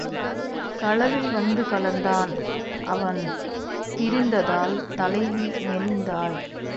களவில் வந்து கலந்தான் அவன் பிரிந்ததால் தலைவி மெலிந்தாள்.